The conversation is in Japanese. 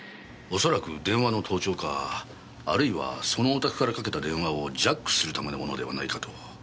おそらく電話の盗聴かあるいはそのお宅からかけた電話をジャックするためのものではないかと。